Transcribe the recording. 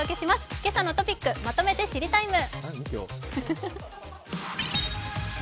「けさのトピックまとめて知りＴＩＭＥ，」。